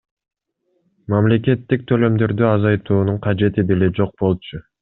Мамлекеттик төлөмдөрдү азайтуунун кажети деле жок болчу.